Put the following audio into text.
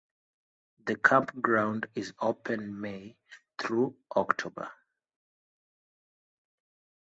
The campground is open May through October.